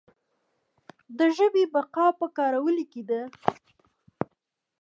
د ژبې بقا په کارولو کې ده.